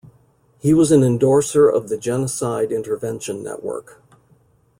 He was an endorser of the Genocide Intervention Network.